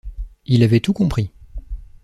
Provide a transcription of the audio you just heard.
Il avait tout compris.